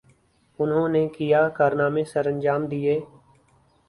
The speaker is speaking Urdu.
انہوں نے کیا کارنامے سرانجام دئیے؟